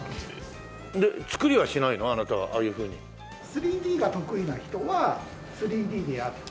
３Ｄが得意な人は３Ｄでやって。